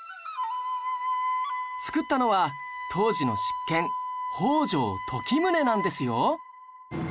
造ったのは当時の執権北条時宗なんですよ